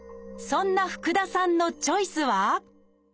そんな福田さんのチョイスは？